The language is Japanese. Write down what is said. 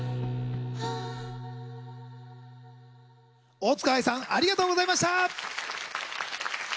大塚愛さんありがとうございました。